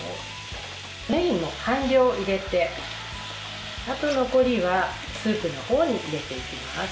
ねぎも半量入れて、あと残りはスープのほうに入れていきます。